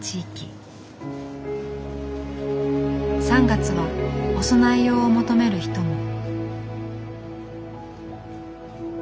３月はお供え用を求める人も。